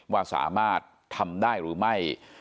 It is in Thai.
ว่าสามารถทำได้หรือไม่